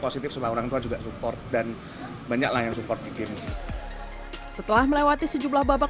positif seorang tua juga support dan banyaklah yang support game setelah melewati sejumlah babak